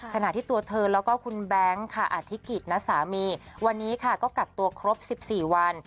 ขณะที่ตัวเธอแล้วก็คุณแบงค์ค่ะอธิกิจณสามีวันนี้ค่ะก็กักตัวครบ๑๔วัน